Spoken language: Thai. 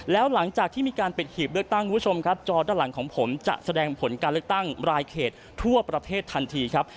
แล้วหลังจากที่มีการปิดหีบเลือกตั้งคุณผู้ชมครับจอด้านหลังของผมจะแสดงผลการเลือกตั้งรายเขตทั่วประเทศทันทีครับ